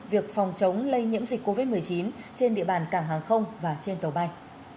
việc phòng chống lây nhiễm dịch covid một mươi chín trên địa bàn cảng hàng không và trên tàu bay